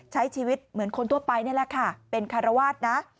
ใช้ชีวิตเหมือนคนทั่วไปนี่แหละค่ะเป็นคารวาสนะ